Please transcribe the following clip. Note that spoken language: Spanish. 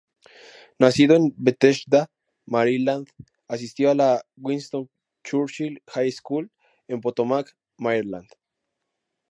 Nacido en Bethesda, Maryland, asistió a la Winston Churchill High School en Potomac, Maryland.